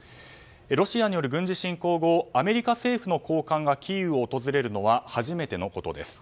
ロシアによる軍事侵攻後アメリカ政府の高官がキーウを訪れるのは初めてのことです。